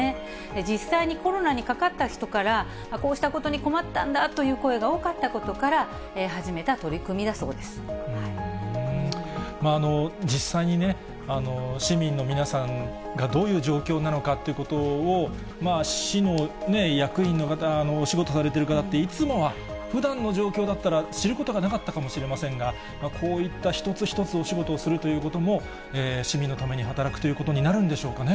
実際にコロナにかかった人から、こうしたことに困ったんだという声が多かったことから、始めた取実際にね、市民の皆さんがどういう状況なのかということを、市の役員の方、お仕事されている方って、いつもは、ふだんの状況だったら、知ることがなかったかもしれませんが、こういった一つ一つ、お仕事をするということも、市民のために働くということになるんでしょうかね。